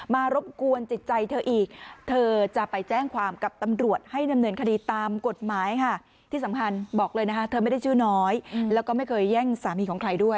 มารบกวนจิตใจเธออีก